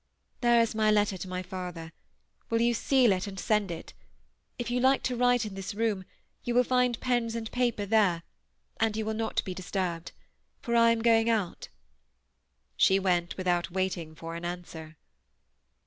" There is my letter to my father ; will you seal it and send it ? If you like to write in this room, you will find pens and paper there, and you will not be disturbed, for I am going out." She went without waiting for an an swer.